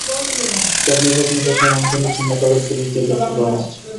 যাঁরা নির্বাচনী প্রচারণায় অংশ নিচ্ছেন না, তাঁদের পুলিশ দিয়ে গ্রেপ্তার করানো হচ্ছে।